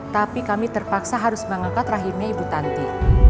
tapi kami terpaksa harus mengangkat rahimnya ibu tanti